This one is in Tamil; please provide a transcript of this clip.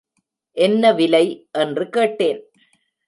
என்னவிலை? என்று கேட்டேன்.